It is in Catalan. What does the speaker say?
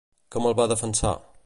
Com el va defensar?